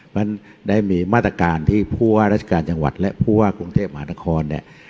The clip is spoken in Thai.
มันได้มีมาตรการที่ภูวะรัชกาลจังหวัดและภูวะกรุงเทพมหานครเนี่ย